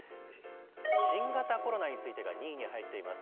新型コロナについてが２位に入っています。